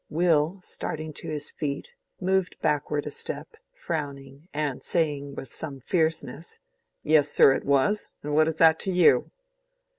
Will, starting to his feet, moved backward a step, frowning, and saying with some fierceness, "Yes, sir, it was. And what is that to you?"